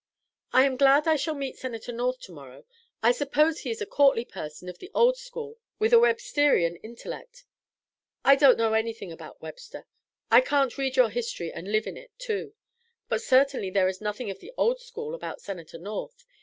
I am glad I shall meet Senator North to morrow. I suppose he is a courtly person of the old school with a Websterian intellect." "I don't know anything about Webster; I can't read your history and live in it, too; but certainly there is nothing of the old school about Senator North.